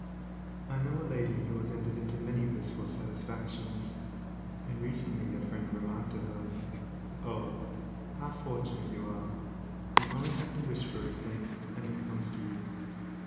I know a lady who has entered into many blissful satisfactions, and recently a friend remarked to her, "Oh, how fortunate you are! You only have to wish for a thing, and it comes to you."